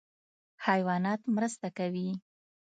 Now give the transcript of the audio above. حیوانات مرسته کوي.